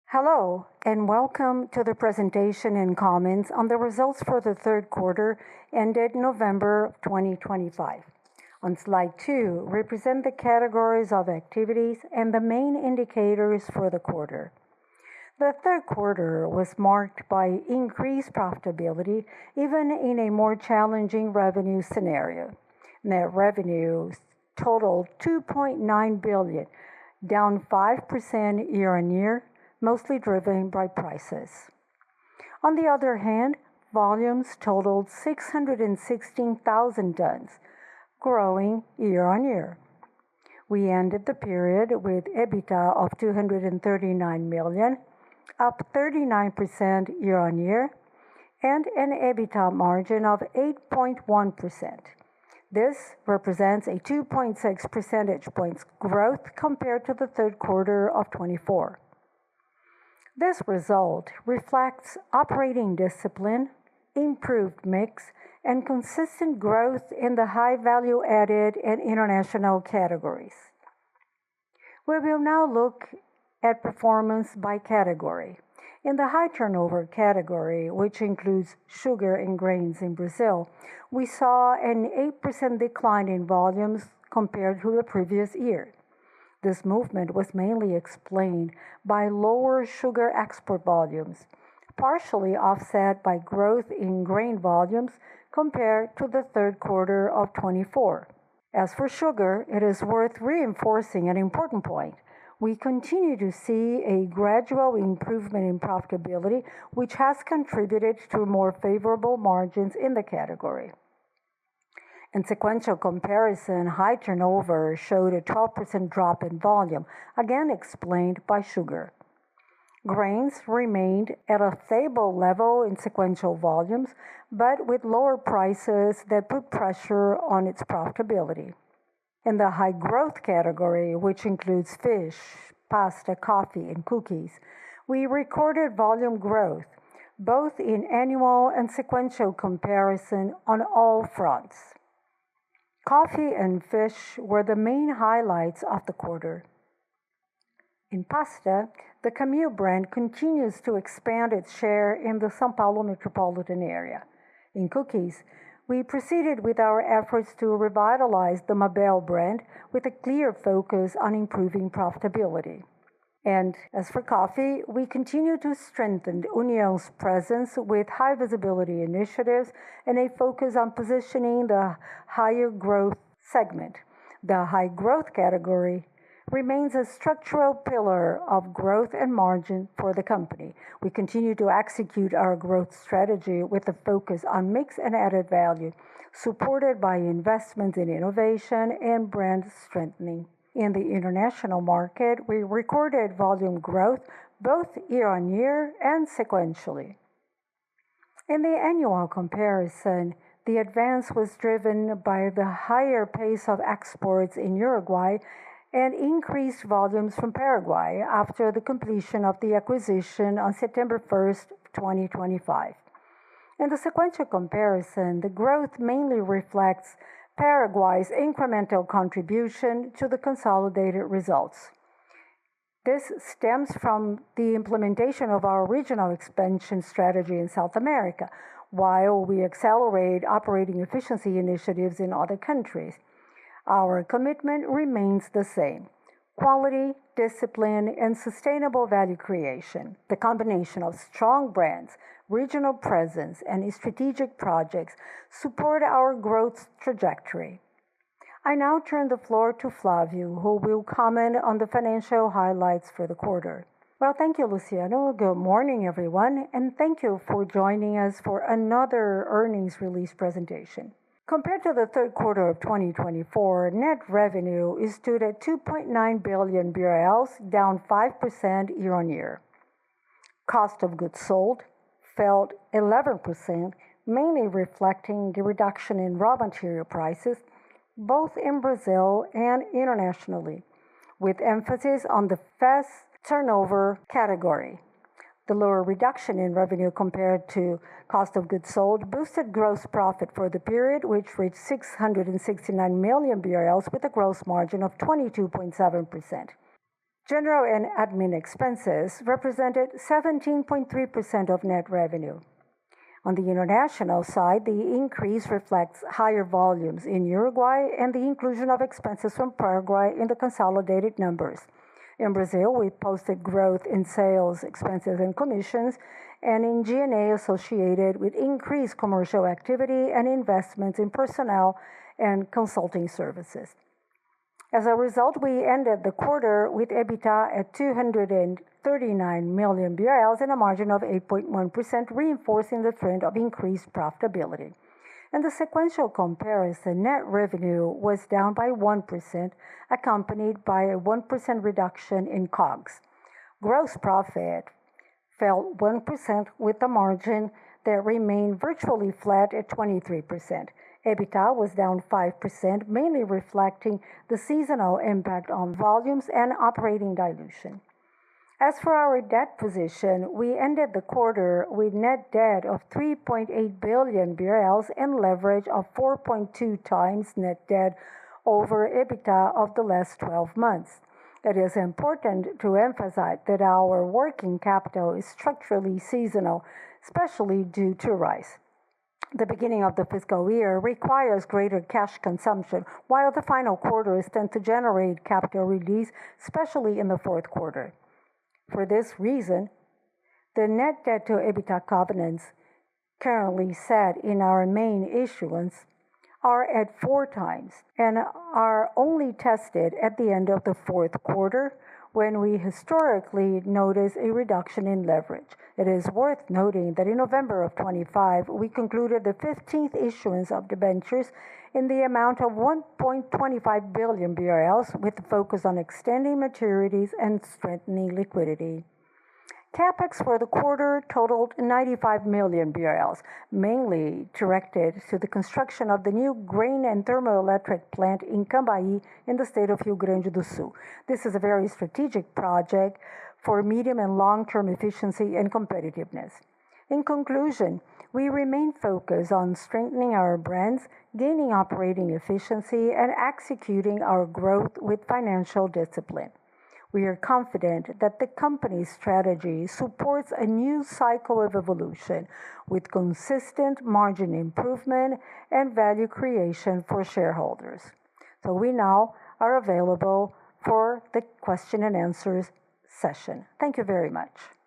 Hello, and welcome to the presentation and comments on the results for the third quarter ended November 2025. On slide two, we present the categories of activities and the main indicators for the quarter. The third quarter was marked by increased profitability even in a more challenging revenue scenario. Net revenues totaled $2.9 billion, down 5% year on year, mostly driven by prices. On the other hand, volumes totaled 616,000 tons, growing year on year. We ended the period with EBITDA of $239 million, up 39% year on year, and an EBITDA margin of 8.1%. This represents a 2.6 percentage points growth compared to the third quarter of 2024. This result reflects operating discipline, improved mix, and consistent growth in the high value-added and international categories. We will now look at performance by category. In the high turnover category, which includes sugar and grains in Brazil, we saw an 8% decline in volumes compared to the previous year. This movement was mainly explained by lower sugar export volumes, partially offset by growth in grain volumes compared to the third quarter of 2024. As for sugar, it is worth reinforcing an important point. We continue to see a gradual improvement in profitability, which has contributed to more favorable margins in the category. In sequential comparison, high turnover showed a 12% drop in volume, again explained by sugar. Grains remained at a stable level in sequential volumes, but with lower prices that put pressure on its profitability. In the high growth category, which includes fish, pasta, coffee, and cookies, we recorded volume growth, both in annual and sequential comparison on all fronts. Coffee and fish were the main highlights of the quarter. In pasta, the Camil brand continues to expand its share in the São Paulo metropolitan area. In cookies, we proceeded with our efforts to revitalize the Mabel brand with a clear focus on improving profitability, and as for coffee, we continue to strengthen União's presence with high visibility initiatives and a focus on positioning the higher growth segment. The high growth category remains a structural pillar of growth and margin for the company. We continue to execute our growth strategy with a focus on mix and added value, supported by investments in innovation and brand strengthening. In the international market, we recorded volume growth both year on year and sequentially. In the annual comparison, the advance was driven by the higher pace of exports in Uruguay and increased volumes from Paraguay after the completion of the acquisition on September 1st, 2025. In the sequential comparison, the growth mainly reflects Paraguay's incremental contribution to the consolidated results. This stems from the implementation of our regional expansion strategy in South America. While we accelerate operating efficiency initiatives in other countries, our commitment remains the same: quality, discipline, and sustainable value creation. The combination of strong brands, regional presence, and strategic projects supports our growth trajectory. I now turn the floor to Flávio, who will comment on the financial highlights for the quarter. Well, thank you, Luciano. Good morning, everyone, and thank you for joining us for another earnings release presentation. Compared to the third quarter of 2024, net revenue is due at $2.9 billion, down 5% year on year. Cost of goods sold fell 11%, mainly reflecting the reduction in raw material prices, both in Brazil and internationally, with emphasis on the fast turnover category. The lower reduction in revenue compared to cost of goods sold boosted gross profit for the period, which reached 669 million BRL with a gross margin of 22.7%. General and administrative expenses represented 17.3% of net revenue. On the international side, the increase reflects higher volumes in Uruguay and the inclusion of expenses from Paraguay in the consolidated numbers. In Brazil, we posted growth in sales, expenses, and commissions, and in G&A associated with increased commercial activity and investments in personnel and consulting services. As a result, we ended the quarter with EBITDA at 239 million BRL in a margin of 8.1%, reinforcing the trend of increased profitability. In the sequential comparison, net revenue was down by 1%, accompanied by a 1% reduction in COGS. Gross profit fell 1% with a margin that remained virtually flat at 23%. EBITDA was down 5%, mainly reflecting the seasonal impact on volumes and operating dilution. As for our debt position, we ended the quarter with net debt of $3.8 billion and leverage of 4.2 times net debt over EBITDA of the last 12 months. It is important to emphasize that our working capital is structurally seasonal, especially due to rice. The beginning of the fiscal year requires greater cash consumption, while the final quarter tends to generate capital release, especially in the fourth quarter. For this reason, the net debt to EBITDA covenants currently set in our main issuance are at four times and are only tested at the end of the fourth quarter when we historically notice a reduction in leverage. It is worth noting that in November of 2025, we concluded the 15th issuance of the debentures in the amount of $1.25 billion, with a focus on extending maturities and strengthening liquidity. CapEx for the quarter totaled 95 million BRL, mainly directed to the construction of the new grain and thermoelectric plant in Cambaí in the state of Rio Grande do Sul. This is a very strategic project for medium and long-term efficiency and competitiveness. In conclusion, we remain focused on strengthening our brands, gaining operating efficiency, and executing our growth with financial discipline. We are confident that the company's strategy supports a new cycle of evolution with consistent margin improvement and value creation for shareholders. We now are available for the question and answers session. Thank you very much.